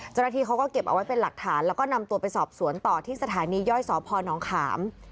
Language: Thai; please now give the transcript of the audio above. เจ้าหน้าที่เขาก็เก็บเอาไว้เป็นหลักฐานแล้วก็นำตัวไปสอบสวนต่อที่สถานีย่อยสพนขาม